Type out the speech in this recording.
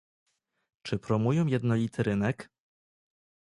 Czy promują jednolity rynek?